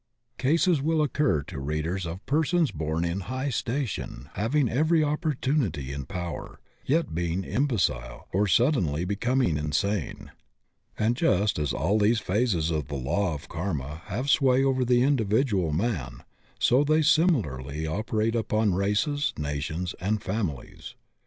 Cases will occur to readers of persons bom in high station having every opportimity and power, yet being imbecile or suddenly becoming insane. And just as all these phases of the law of karma have sway over the individual man, so they similarly operate upon races, nations and families.